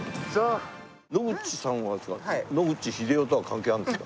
野口さんはあれですか？